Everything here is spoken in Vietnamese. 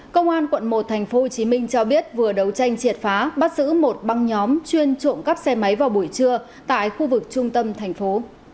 công an quận một tp hcm cho biết vừa đấu tranh triệt phá bắt giữ một băng nhóm chuyên trộm cắp xe máy vào buổi trưa tại khu vực trung tâm thành phố